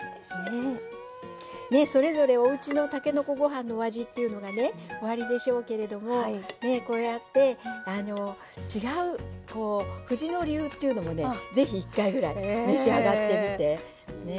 それぞれおうちのたけのこご飯のお味というのがねおありでしょうけれどもこうやって違う藤野流というのもね是非１回ぐらい召し上がってみて。